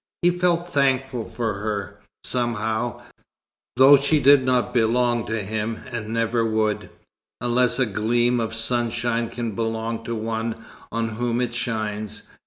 He felt thankful for her, somehow, though she did not belong to him, and never would unless a gleam of sunshine can belong to one on whom it shines.